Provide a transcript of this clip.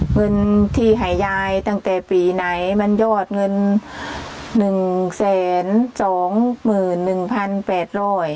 เงินที่ให้ยายตั้งแต่ปีไหนมันยอดเงิน๑๒๑๘๐๐บาท